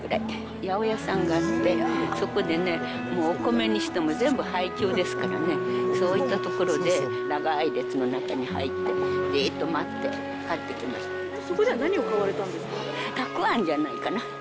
八百屋さんがあって、そこでね、もうお米にしても全部、配給ですからね、そういったところで長い列の中に入って、じーっと待って、そこでは何を買われたんですたくあんじゃないかな。